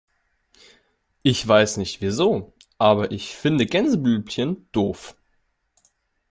Ich weiß nicht wieso, aber ich finde Gänseblümchen doof.